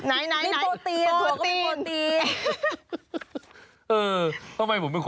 อันนี้ฉันช่วยออก